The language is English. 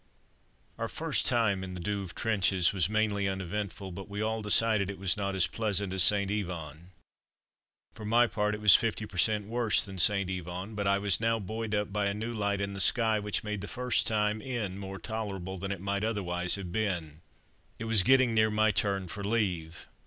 Our first time in the Douve trenches was mainly uneventful, but we all decided it was not as pleasant as St. Yvon. For my part, it was fifty per cent. worse than St. Yvon; but I was now buoyed up by a new light in the sky, which made the first time in more tolerable than it might otherwise have been. It was getting near my turn for leave!